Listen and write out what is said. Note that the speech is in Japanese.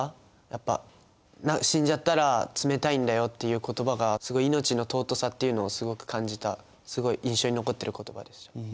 やっぱ死んじゃったら冷たいんだよっていう言葉がすごい命の尊さっていうのをすごく感じたすごい印象に残ってる言葉でした。